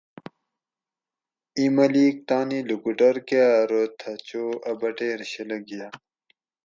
ایں ملیک تانی لوکوٹور کہ ارو تھہ چو اۤ بٹیر شلہ گھیا